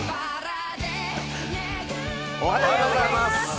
おはようございます。